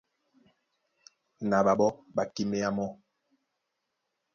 Na ɓaɓɔ́ ɓá kíméá mɔ́.